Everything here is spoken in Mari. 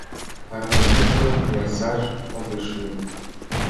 Арня мучко ярсаш огеш лий.